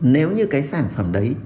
nếu như cái sản phẩm đấy